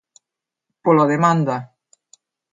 Pola demanda.